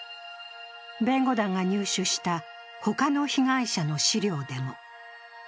弁護団が入手した他の被害者の資料でも。